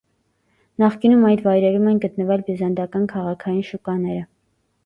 Նախկինում այդ վայրերում են գտնվել բյուզանդական քաղաքային շուկաները։